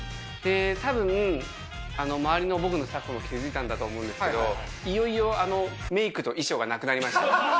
たぶん、周りの僕のスタッフも気付いたんだと思うんですけど、いよいよメークと衣装がなくなりました。